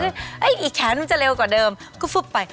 อีกแขนนึงจะเร็วกว่าเดิมก็ฟึบไป